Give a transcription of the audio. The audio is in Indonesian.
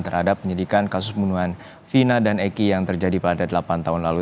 terhadap penyidikan kasus pembunuhan vina dan eki yang terjadi pada delapan tahun lalu